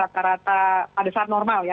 rata rata pada saat normal ya